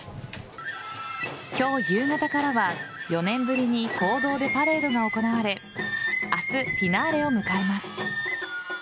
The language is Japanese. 今日夕方からは４年ぶりに公道でパレードが行われ明日、フィナーレを迎えます。